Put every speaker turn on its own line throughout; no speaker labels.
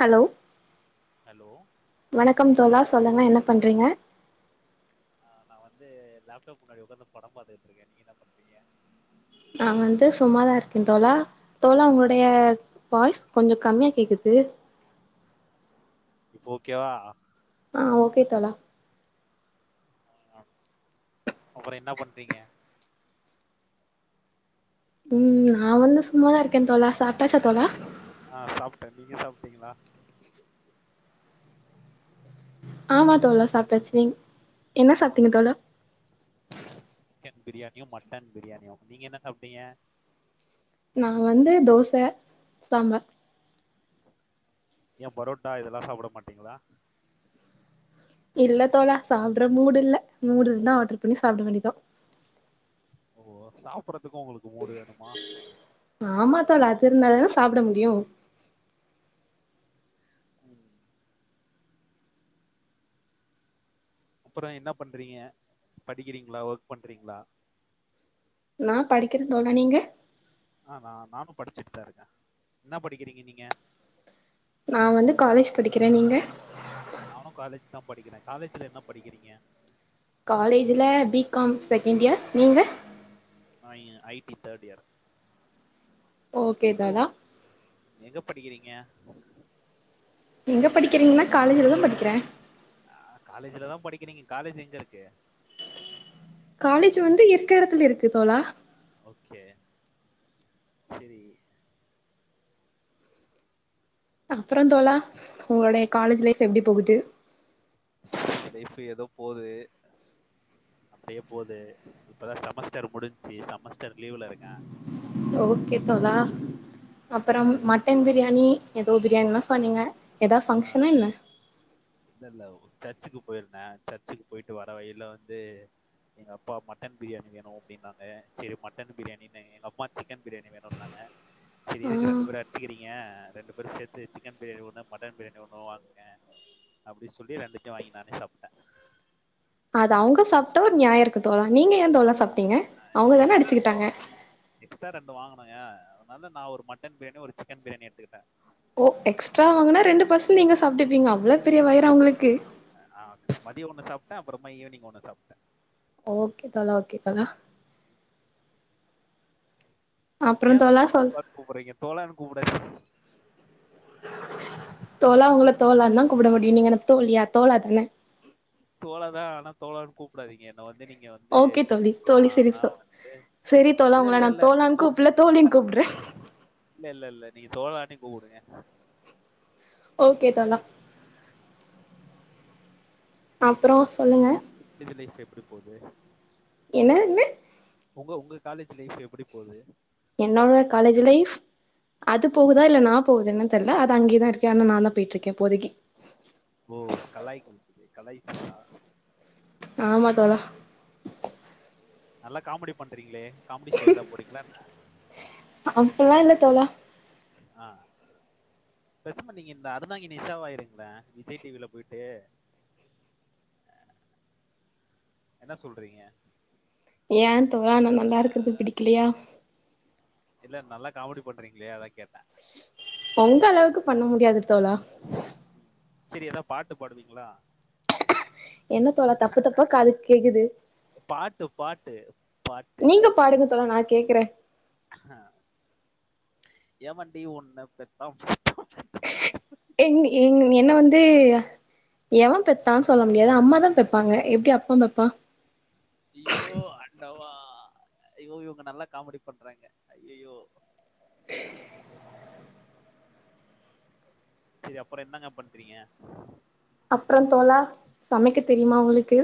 Hello
hello
வணக்கம் தோழா சொல்லுங்க என்ன பண்றீங்க
ஆ நா வந்து லேப்டாப் முன்னாடி உட்காந்து படோ பாத்துக்கிட்டு இருக்கே நீங்க என்ன பண்றீங்க
நா வந்து சும்மாதா இருக்கே தோழா தோழா உங்களுடைய வாய்ஸ் கொஞ்சோ கம்மியா கேக்குது
இப்ப ஓகேவா
ஆ ஓகே தோழா
ஆ அப்றோ என்ன பண்றீங்க
ம் நா வந்து சும்மாதா இருக்கே தோழா சாப்ட்டாச்சா தோழா
ஆ சாப்ட்டே நீங்க சாப்ட்டீங்களா
ஆமா தோழா சாப்ட்டாச்சு நீங் என்ன சாப்ட்டீங்க தோழா
சிக்கன் பிரியாணியு மட்டன் பிரியாணியு நீங்க என்ன சாப்ட்டீங்க
நா வந்து தோச சாம்பார்
ஏ பரோட்டா இதெல்லா சாப்பிட மாட்டீங்ளா
இல்ல தோழா சாப்ட்ற மூடு இல்ல மூடு இருந்தா ஆர்டர் பண்ணி சாப்ட வேண்டிதா
ஓ சாப்பறதுக்கு ஒங்ளுக்கு
ஆமா தோழா அது இருந்தா தானே சாப்ட முடியு
ம் அப்றோ என்ன பண்றீங்க படிக்கிறீங்ளா ஒர்க் பண்றீங்ளா
நா படிக்கிறே தோழா நீங்க
ஆமா நானு படிச்சிட்டு தா இருக்கே என்ன படிக்கிறீங்க நீங்க
நா வந்து காலேஜ் படிக்கிறே நீங்க
நானு காலேஜ் தா படிக்கிறே காலேஜ்ல என்ன படிக்கிறீங்க
காலேஜில பி காம் செகண்ட் இயர் நீங்க
நா இங்க I T third year
okay
எந்த ஊர்
தோழா
எங்க படிக்கிறீங்க
எங்க படிக்கிறீங்கனா காலேஜில தா படிக்கிறே
ஆ காலேஜில தா படிக்கிறீங்க காலேஜு எங்க இருக்கு
காலேஜு வந்து இருக்க எடத்துல இருக்கு தோழா
ஓகே செரி
அப்றோ தோழா ஒங்களுடைய காலேஜ் லைஃப் எப்டி போகுது
காலேஜ் லைஃப் எதோ போது அப்டியே போது இப்பதா செமஸ்டர் முடிஞ்ச்சி செமஸ்டர் லீவ்ல இருக்கே
ஓகே தோழா அப்றம் மட்டன் பிரியாணி எதோ பிரியாணிலா சொன்னீங்க எதா ஃப்ஷன்னா என்ன
இல்லல்ல ஒரு சர்ச்சுக்கு பொயிருந்தே சர்ச்சுக்கு பொயிட்டு வர வழியில வந்து எங்கப்பா மட்டன் பிரியாணி வேணு அப்பிடின்னாங்க செரி மட்டன் பிரியாணினு எங்கம்மா சிக்கன் பிரியாணி வேணுன்னாங்க செரி எதுக்கு
ஆ
ரெண்டு பேரு அடிச்சுகிறீங்க ரெண்டு பேரு சேத்து சிக்கன் பிரியாணி ஒன்னா மட்டன் பிரியாணி ஒன்னு வாங்குங்க அப்டி சொல்லி ரெண்டுத்தியு வாங்கி நானே சாப்பிட்டே
அது அவுங்க சாப்ட்டா ஒரு ஞாய இருக்கு தோழா நீங்க ஏ தோழா சாப்ட்டீங்க அவுங்கதானே அடிச்சுகிட்டாங்க
எக்ஸ்டா ரெண்டு வாங்குனோங்க அதுனாலதா நா ஒரு மட்டன் பிரியாணி ஒரு சிக்கன் பிரியாணி எடுத்துகிட்ட
ஓ எக்ஸ்ட்ரா வாங்குனா ரெண்டு பர்ஸ் நீங்க சாப்டுப்பீங்க அவ்ள பெரிய வயிரா ஒங்குளுக்கு
அ அ மதிய ஒன்னு சாப்ட்டா அப்றமா ஈவினிங் ஒன்னு சாப்ட்டே
ஓகே தோழா ஓகே தோழா அப்புறோ
ஏ
தோழா சொல்
[inaudible] கூப்புறீங்க தோழான் கூப்டாதிங்க
தோழா ஒங்கள தோழான்தா கூப்ட முடியு நீங்க என்ன தோழியா தோழா தானே
தோழாதா ஆனா தோழான் கூப்டாதீங்க என்ன வந்து நீங்க வந்து
ஓகே
எப்டி
தோழி தோழி சரி
கூப்புலான்னா
சோ
வந்து
சரி தோழா உங்கள நா
இல்லல்ல [inaudible]
தோழான்னு கூப்பிடல தோழின்னு கூப்பிடுறே
இல்லல்ல நீங்க தோழானே கூப்புடுங்க
ஓகே தோழா அப்றோ சொல்லுங்க
ஜி லைஃப் எப்பிடி போது
என்ன என்ன
ஒங்க ஒங்க காலேஜி லைஃப் எப்டி போது
என்னாங்க காலேஜ் லைஃப் அது போகுதா இல்ல நா போகுதுனு தெர்ல அது அங்கேதா இருக்கு ஆனா நா தா பொயிட்ருக்கே இப்போதிக்கி
ஓ கலாய் [inaudible] கலாய்ச்சதா
ஆமா தோழா
நல்லா காமெடி பண்றீங்ளே காமெடி சோ எதா போறீங்ளா என்ன
அப்பில்லா இல்ல தோழா
அ பெசமா நீங்க இந்த அறந்தாங்கி நிஷாவாயிருங்ளன் விஜய் டிவில போயிட்டு என்ன சொல்றீங்க
ஏந்தோழா நா நல்லாருக்குறது பிடிக்கலையா
இல்ல நல்லா காமெடி பண்றீங்ளே அதான் கேட்டன்
ஒங்க அளவுக்கு பண்ண முடியாது தோழா
செரி எதா பாட்டு பாடுவீங்ளா
என்ன தோழா தப்பு தப்பா காதுக்கு கேக்குது
பாட்டு பாட்டு பாட்டு.
நீங்க பாடுங்க தோழா நாங்கேக்குறன்
அ எவண்டி ஒன்ன பெத்தான்
எங் எங் என்ன வந்து எவன் பெத்தான் சொல்ல முடியாது அம்மாதான் பெப்பாங்க எப்டி அப்பன் பெப்பான்
ஐயோ ஆண்டவா ஐயோ இவுங்க நல்லா காமெடி பண்றாங்க அயயோ செரி அப்புற என்னங்க பண்றீங்க
அப்புறந்தோழா சமைக்க தெரியுமா ஒங்குளுக்கு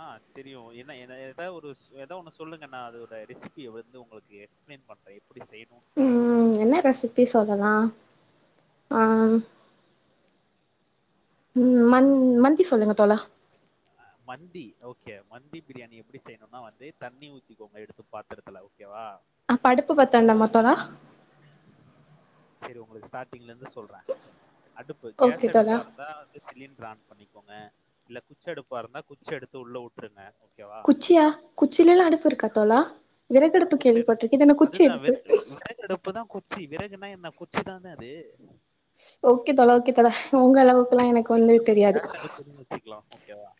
அ தெரியும் என்ன என்ன எதாவொரு சொ எதோ ஒன்னு சொல்லுங்க நா அதோட ரெசிபிய வந்து ஒங்குளுக்கு எக்ஸ்ப்ளைன் பண்றன் எப்டி செயணு சொல்லி
ம் என்ன ரெசிபி சொல்லலா ஆன் ம் மந் மந்த் சொல்லுங்க தோழா
அ மந்தி ஓகே மந்தி பிரியாணி எப்பிடி செய்யணுமன்னா வந்து தண்ணி ஊத்திக்கோங்க எடுத்து பாத்தரத்துல ஓகேவா
அப்ப அடுப்பு பத்த வேண்டமாத்தோழா
சரி ஒங்குளுக்கு ஸ்டாட்டிங்லந்து சொல்றன் அடுப்பு case
okay Thozha
அடுப்பருந்தா cylinder on பண்ணிக்கோங்க இல்ல குச்சி எடுப்பா இருந்தா குச்சி எடுத்து உள்ள விட்டுருங்க ஓகேவா?
குச்சியா குச்சிலலாம் அடுப்பு
குச்சி.
இருக்காத்தோழா
ஆ
விறகடுப்பு
குச்சி
கேள்விப்பட்டிருக்கு இதன்ன குச்சி எடுப்பு
இப்பதான் குச்சி விறகுனா என்ன குச்சி தானே அது
ஓகே தல ஓகே தல உங்க அளவுக்கு எல்லாம் எனக்கு
நீங்க
வந்து
நம்ம
தெரியாது
கேஸ் அடுப்புன்னு வச்சுக்கலாம் ஓகேவா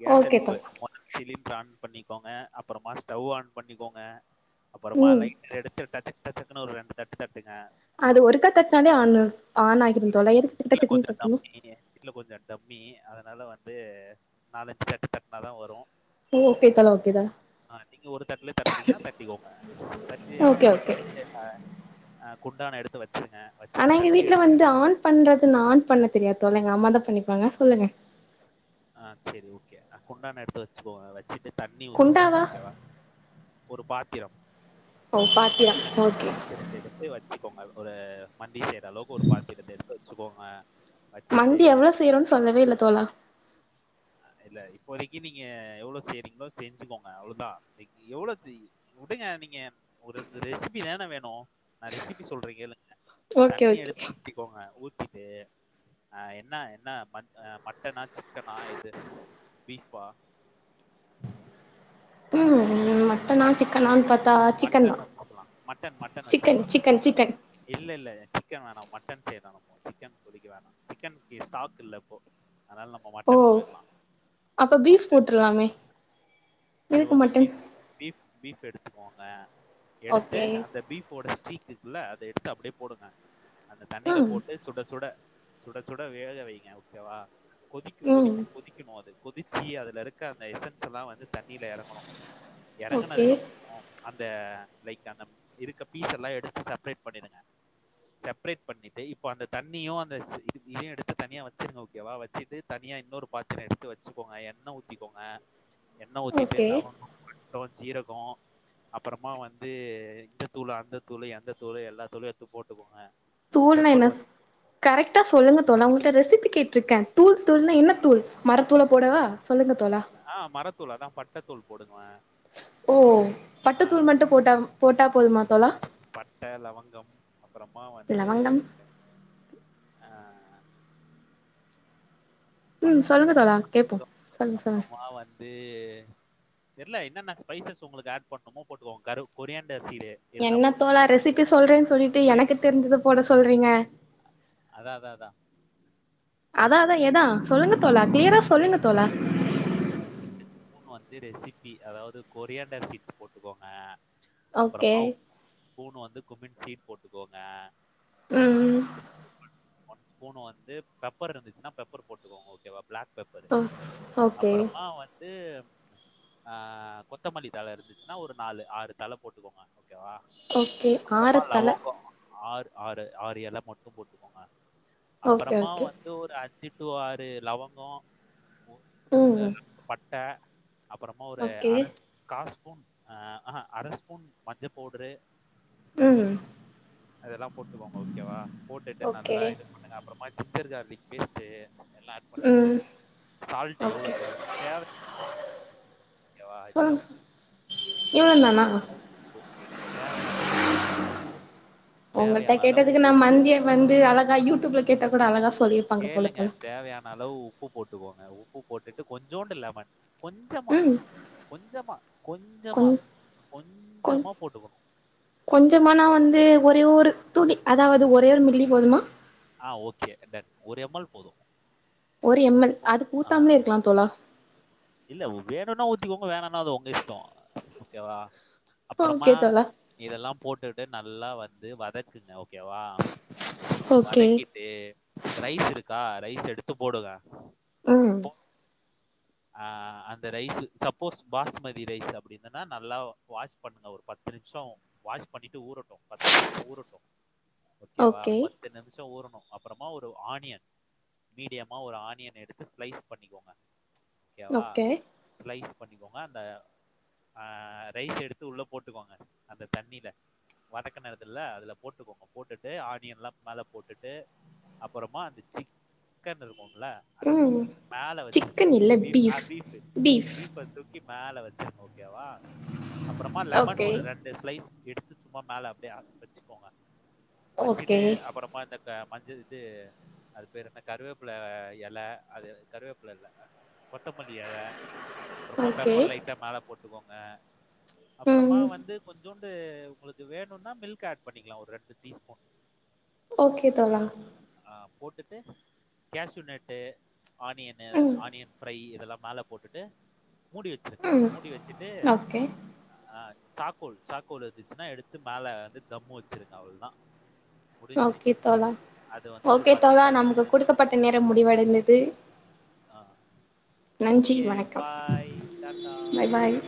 கேஸ்
ஓகே
எடுப்பு
தோழா
ஒன்னு சிலிண்டர் ஆன் பண்ணிக்கோங்க அப்றமா ஸ்டவ் ஆன் பண்ணிக்கோங்க அப்புறமா
ம்
லைட்டர் எடுத்து டச்சக்கு டச்சக்குன்னு ஒரு ரெண்டு தட்டு தட்டுங்க
அது
ஆனா
ஒருக்கா தட்டினாலே ஆன் ஆன் ஆகிரும் தோழா எதுக்கு டச்சக்கு டச்சக்குன்னு தட்டனு
வீட்ல கொஞ்சம் டம்மி அதனால வந்து நாலஞ்சு தட்டு தட்டுனாதா வரும்
ஓகே தல ஓகே தோழா
ஆ நீங்க ஒரு தட்டுலயே தட்டுறீங்கன்னா தட்டிக்கோங்க தட்டி ஆன்
ஓகே
பண்
ஓகே
அ குண்டான எடுத்து வச்சுருங்க
ஆனா
வச்சுட்டு
எங்க
தண்ணி
வீட்டு்ல
எடுத்து
வந்து ஆன் பண்றதுன்னு ஆன் பண்ண தெரியா தோழா எங்க அம்மாாதா பண்ணிப்பாங்க சொல்லுங்க
ஆ சரி ஓகே அ குண்டான எடுத்து வச்சுக்கோ வச்சிட்டு தண்ணி ஊத்திக்கோங்க
குண்டாவா
ஓகேவா ஒரு பாத்திரம்
ஓ பாத்திரம் ஓகே
பாத்திரத்த எடுத்து வச்சுக்கோங்க ஒரு மண்டி செய்ற அளவுக்கு ஒரு பாத்திரத்த எடுத்து வச்சுக்கோங்க வச்சுட்டு
மந்தி எவ்ளோ செய்யரோனு சொல்லவே இல்ல தோழா
இல்ல இப்போதைக்கு நீங்க எவ்ள செய்றீங்களோ செஞ்சுக்கோங்க அவ்ளதா எவ்வளவு வுடுங்க நீங்க ஒரு இந்த ரெசிபி தான வேணு நா ரெசிபி சொல்ற கேளுங்
ஓகே
தண்ணி
ஓகே
எடுத்து ஊத்திக்கோங்க ஊத்திட்டு அ என்ன என்ன மட் அ மட்டனா சிக்கனா பீஃபா
ம் மட்டனா
மட்
சிக்கனா னு பாத்தா சிக்கன் தா
மட்டன் வச்சுக்கலாம். மட்டன் மட்டன்
சிக்கன்
வச்சுக்கலாம்.
சிக்கன் சிக்கன்
இல்ல இல்ல சிக்கன் வேனா மட்டன் செய்லா நம்ம சிக்கன் கொதிக்க வேணா சிக்கன்க்கு ஸ்டாக் இல்லஇப்போ அதனால நம்ம மட்டன் போயிரலா மட்டன்
போலாமே
சரி ஓகே பீப் பீப் பீப் எடுத்துக்கோங்க எடுத்து
ஓகே
அந்த பீஃபோட ஸ்டீக் இருக்குல்ல அத எடுத்து அப்டியே போடுங்க அந்த தண்ணியில
ம்
போட்டு சுட சுட சுட சுட வேக வைங்க ஓகேவா கொதிக்க
ம்
கொதிக்க கொதி க்கணு அது கொதிச்சி அதுல இருக்க அந்த எசன்ஸ் ல்லா வந்து தண்ணியில எறங்கணு
ஓகே
எறங்கனதுக்கு அப்புறமா அந்த லைக்ஸ் அந்த இருக்கு பீஸ் எல்லா எடுத்து செப்ரேட் பண்ணிடுங்க செப்ரேட் பண்ணிட்டு இப்ப அந்த தண்ணியு அந்த சி இது இதையு எடுத்து தண்ணியா வச்சிருங்க ஓகேவா வச்சுட்டு தனியா இன்னொரு பாத்துரோ எடுத்து வச்சுக்கோங்க எண்ணெ ஊதிக்கோங்க எண்ணெ ஊத்திட்டு
ஓகே
லவங்கோ பட்டோ சீரகோ அப்புறமா வந்து இந்த தூளு அந்த தூளு எந்த தூளு எல்லா தூளையு எடுத்து போட்டுக்கோங்க
தூள் நா
பெப்பர்
எனஸ்
கொஞ்சம்
கரெக்டாக சொல்லுங்க தோழா உங்கள்ட்ட ரெசிபி கேட்டிருக்கே தூள் தூள்னா என்ன தூள் மரத்தூள போடவா சொல்லுங்க தோழா
ஆ மரத்தூள் அதான் பட்டை தூள் போடுங்க.
ஓ
ஆ
பட்டுத்தூள் மட்டு போட்டா போட்டா போதும்மாத்தோழா
பட்ட லவங்கம் அப்புறமா வந்து
லவங்கம்
ஆ பட்
ம் சொல்லுங்க தோழா கேப்போ
[inaudible]
சொல்லுங்க சொல்லுங்க
அப்புறமா வந்து அது தெர்ல என்னன்ன ஸ்பைசஸ் உங்களுக்கு ஆட் பண்ணுமோ போட்டுக்கோங்க கரு கொரியாண்ட சீரு
என்ன தோழா ரெசிபி சொல்றேன்னு சொல்லிட்டு எனக்கு தெரிஞ்சது போட சொல்றீங்க
அதா அதா அதா
அதா அதா எதா சொல்லுங்க தோழா கிளியரா சொல்லுங்க தோழா
மூணு வந்து ரெசிபி அதாவது கொரியாண்டர் சீட்ஸ் போட்டுக்கோங்க
ஓகே
அப்புறமா பூணு வந்து கும்மின் சீட் போட்டுக்கோங்க
ம் ம்
ஒன் ஸ்பூன் வந்து பெப்பர் இருந்துச்சுன்னா பெப்பர் போட்டுக்கோங்க ஓகேவா பிளாக் பெப்பரு
ஓ ஓகே
அப்புறமா வந்து ஆ கொத்தமல்லி தலை இருந்துச்சுன்னா ஒரு நாலு ஆறு தல போட்டுக்கோங்க ஓகேவா
ஓகே
அப்பறமா
ஆரத்தல
லவங்கோ ஆறு ஆறு ஆறு எல மட்டு போட்டுக்கோங்க
ஓகே
அப்பறமா
ஓகே
வந்து ஒரு அஞ்சு டு ஆறு லவங்கோ
ம்
[inaudible] பட்ட அப்பறமா ஒரு
ஓகே
அரஞ் கா ஸ்பூன் அ ஆஹ அரஸ்பூன் மஞ்ச பவ்டரு
ம்
அதெல்லா போட்டுக்கோங்க ஓகேவா போட்டுட்டு
ஓகே
நல்லா அதுக்கு அப்றமா ஜிஞ்சர் கார்லிக் பேஸ்ட்டு எல்லா பண்ணிக்கோங்க
ம்
சால்ட எவ்ளோ
ஓகே
தேவ [inaudible] ஓகே வா இதுதா
சொல்லுங்க சார் இவ்ளோ தானா
[inaudible] தேவையான அளவு உப்
ஒங்கள்ட்ட கேட்டதுக்கு
உ
நா மந்திய வந்து அழகா யூடியூப்ல கேட்ட கூட அழகா சொல்லியிருப்பாங்க
கேளுங்க
பொலத்தோழா
தேவையான அளவு உப்பு போட்டுக்கோங்க உப்பு போட்டுட்டு கொஞ்சோண்டு லெமன் கொஞ்சமா
ம்
கொஞ்சமா கொஞ்சமா
கொஞ்
கொஞ்சமா போட்டுக்குணு
கொஞ்சமானா வந்து ஒரே ஒரு தூளி அதாவது ஒரே ஒரு மில்லி போதுமா
ஆ ஓகே டன் ஒரு எம்எல் போது
ஒரு எம்எல் அதுக் ஊத்தாமலே இருக்கலா தோழா
இல்ல வேணுனா ஊத்திக்கோங்க வேணானா அது உங்க இஷ்ட ஓகேவா
ஓகே
அப்றமா
தோழா
இதெல்லா போட்டுட்டு நல்லா வந்து வதக்குங்க ஓகேவா
ஓகே
வதக்கி ட்டு ரைஸ் இருக்கா ரைஸ் எடுத்து போடுங்க
ம்
போ ஆ அந்த ரைஸ் சப்போஸ் பாஸ்மதி ரைஸ் அப்டிந்தன்னா நல்லா வாஷ் பண்ணுங்க ஒரு பத்து நிம்ஷோ வாஷ் பண்ணிட்டு ஊறட்டு பத்து நிமிஷொ ஊறட்டு ஓகேவா
ஓகே
ப பத்து நிமிஷொ ஊரணு அப்பறமா ஒரு ஆனியன் மீடியமா ஒரு ஆனியன் எடுத்து ஸ்லைஸ் பண்ணிக்கோங்க ஓகேவா
ஓகே
ஸ்லைஸ் பண்ணிக்கோங்க அந்த ஆ ரைஸ் எடுத்து உள்ள போட்டுக்கோங்க அந்த தண்ணில வதக்கு னதுல அதுல போட்டுக்கோங்க போட்டுட்டு ஆனியன் லா மேல போட்டுட்டு அப்பறமா அந்த சிக்கன் இருக்கும்ல அத
ம்
தூக்கி மேல வச்சுருங்க
சிக்கன் இல்ல
பீஃ ஆ
பீஃப்
பீஃபு பீஃப் மேல வச்சுர்னு ஓகேவா அப்பறமா லெமன்
ஓகே
ஒரு ரெண்டு ஸ்லைஸ் எடுத்து சும்மா மேல அப்டியெ வச்சுக்கோங்க
ஓகே
வச்சுட்டு அப்பறமா இந்த மஞ்சள் இது அது பேர் என்ன கருவேப்ல எல அது கருவேப்ல இல்ல கொத்தமல்லி எல அப்புறமா
ஓகே
பெப்பர் லைட்டா மேல போட்டுக்கோங்க அப்புறமா
ம்
வந்து கொஞ்சோண்டு உங்களுக்கு வேணுனா மில்க் ஆட் பண்ணிக்லா ஒரு ரெண்டு டீஸ்பூன்
ஓகே தோழா
ஆ போட்டுட்டு கேஸுநட்டு ஆனியனு
ம்
ஆனியன் இதெல்லா மேல போட்டுட்டு மூடி வச்சிருங்க
ம்
மூடி வச்சிட்டு
ஓகே
ஆ சாக்கோல் சாக்கோல் இருந்துச்சுன்னா எடுத்து மேல வந்து தம்மு வச்சிருங்க அவ்வுள்தா
ஓகே தோழா
அது வந்து ஒரு
ஓகே தோழா நமக்கு
நிமிஷம்.
குடுக்கப்பட்ட நேரம் முடிவடைந்தது
ஆ
நன்றி
ஓகே
வணக்கம்
பாய் டாட்டா
பாய் பாய்